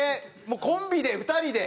もうコンビで２人で。